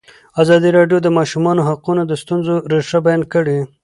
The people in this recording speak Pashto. ازادي راډیو د د ماشومانو حقونه د ستونزو رېښه بیان کړې.